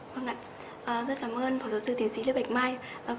vâng ạ rất cảm ơn phó giáo sư tiến sĩ lê bạch mai